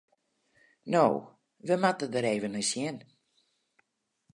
No, we moatte der even nei sjen.